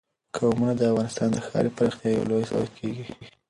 قومونه د افغانستان د ښاري پراختیا یو لوی سبب کېږي.